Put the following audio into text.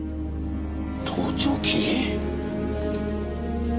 盗聴器？